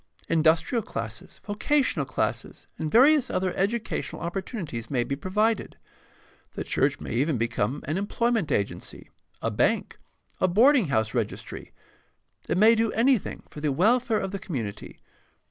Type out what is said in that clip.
Industrial classes, vocational classes, and various other educa tional opportunities may be provided. The church may even become an employment agency, a bank, a boarding house registry — it may do anything for the welfare of the community.